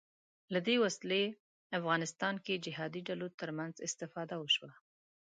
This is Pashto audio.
له دې وسلې افغانستان جهادي ډلو تر منځ استفاده وشوه